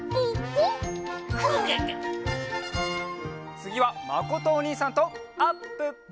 つぎはまことおにいさんとあっぷっぷ！